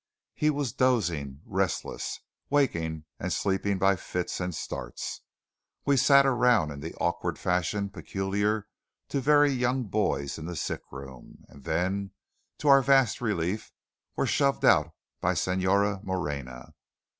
He was dozing, restless, waking and sleeping by fits and starts. We sat around in the awkward fashion peculiar to very young boys in the sickroom; and then, to our vast relief, were shoved out by Señora Moreña.